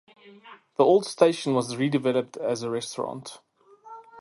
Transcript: The old station was redeveloped as a restaurant.